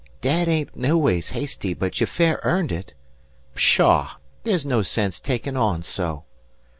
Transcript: "Dad ain't noways hasty, but you fair earned it. Pshaw! there's no sense takin' on so."